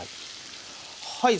はい。